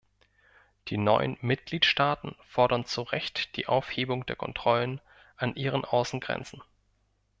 Die neuen Mitgliedstaaten fordern zu Recht die Aufhebung der Kontrollen an ihren Außengrenzen.